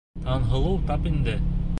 Таңһылыу, тап инде.